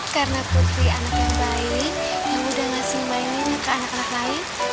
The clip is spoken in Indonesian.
karena putri anak yang baik yang udah ngasih mainin ke anak anak lain